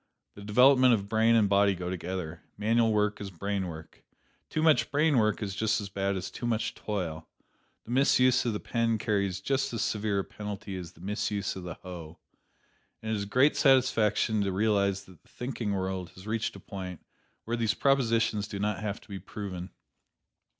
The development of brain and body go together manual work is brain work. Too much brain work is just as bad as too much toil; the misuse of the pen carries just as severe a penalty as the misuse of the hoe. And it is a great satisfaction to realize that the thinking world has reached a point where these propositions do not have to be proven.